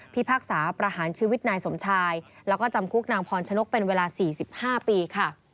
พากษาประหารชีวิตนายสมชายแล้วก็จำคุกนางพรชนกเป็นเวลา๔๕ปีค่ะ